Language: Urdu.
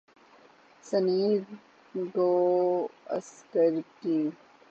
سنیل گواسکر کی یہ